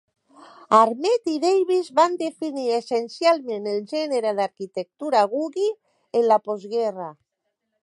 Armet i Davis van definir essencialment el gènere d'arquitectura Googie en la postguerra.